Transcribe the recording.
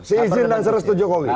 si ijin dan si restu jokowi